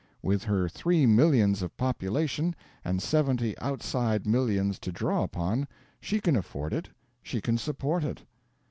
With her three millions of population, and seventy outside millions to draw upon, she can afford it, she can support it.